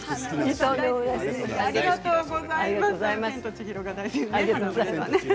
ありがとうございます。